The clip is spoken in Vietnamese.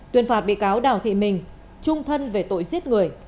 tuyên phạt bị cáo đảo thị minh trung thân về tội giết người